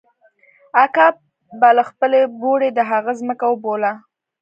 اکا به له خپلې بوړۍ د هغه ځمکه اوبوله.